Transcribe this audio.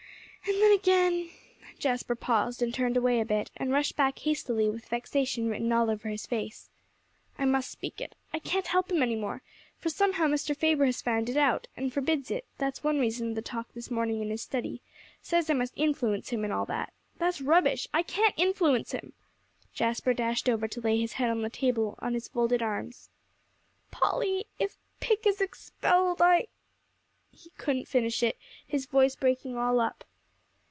And then again " Jasper paused, turned away a bit, and rushed back hastily, with vexation written all over his face. "I must speak it: I can't help him any more, for somehow Mr. Faber has found it out, and forbids it; that's one reason of the talk this morning in his study says I must influence him, and all that. That's rubbish; I can't influence him." Jasper dashed over to lay his head on the table on his folded arms. "Polly, if Pick is expelled, I " he couldn't finish it, his voice breaking all up.